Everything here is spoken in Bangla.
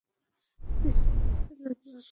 তিনি সর্বোচ্চ নম্বর অধিকার করে।